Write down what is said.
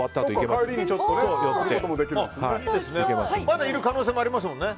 まだいる可能性もありますもんね。